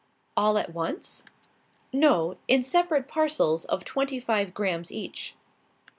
"All at once?" "No. In separate parcels of twenty five grammes each."